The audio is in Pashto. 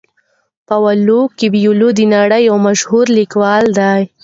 پاولو کویلیو د نړۍ یو مشهور لیکوال دی.